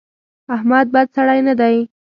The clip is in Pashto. احمد بد سړی نه دی.